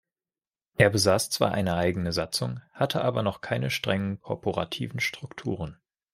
Er besaß zwar eine eigene Satzung, hatte aber noch keine strengen korporativen Strukturen.